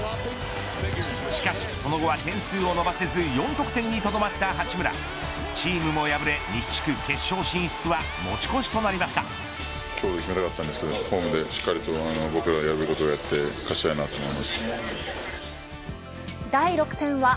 しかしその後は点数を伸ばせず４得点にとどまった八村チームも敗れ西地区決勝進出は日やけ止めＳＰＦだけで選んでない？